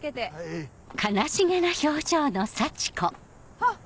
あっ！